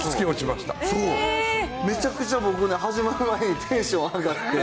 めちゃくちゃ僕ね、始まる前にテンション上がって。